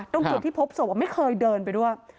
ตรงจุดที่พบศพไม่เคยเดินไปด้วย